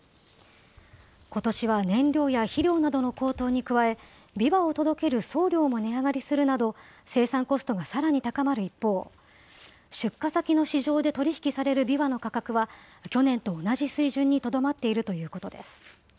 ことしは燃料や肥料などの高騰に加え、びわを届ける送料も値上がりするなど、生産コストがさらに高まる一方、出荷先の市場で取り引きされるびわの価格は、去年と同じ水準にとどまっているということです。